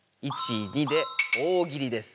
１２で「大喜利」です。